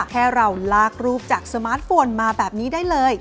แค่เราลากรูปจากสมาร์ทโฟนมาแบบนี้ได้เลย